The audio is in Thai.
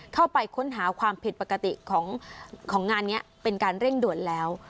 เข้าไปค้นหาความผิดปกติของงานนี้เป็นการเร่งด่วนแล้ว